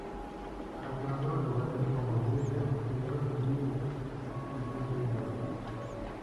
Han actuado en lugares como iglesias, museos y estudios de yoga.